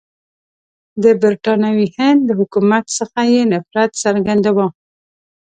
د برټانوي هند له حکومت څخه یې نفرت څرګندوه.